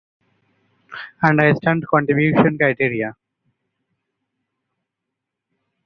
পশ্চিমবঙ্গের হুগলী-আরামবাগকে কেন্দ্র করে এই নির্বাচনী কেন্দ্রটি গঠিত।